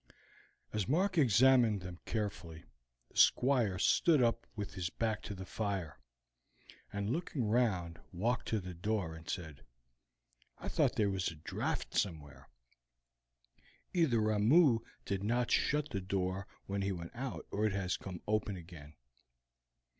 As Mark examined them carefully the Squire stood up with his back to the fire, and looking round walked to the door and said: "I thought there was a draught somewhere; either Ramoo did not shut the door when he went out or it has come open again.